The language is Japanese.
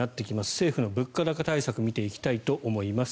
政府の物価高対策を見ていきたいと思います。